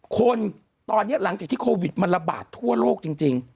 คนตอนนี้หลังจากที่โควิดมันระบาดทั่วโลกจริง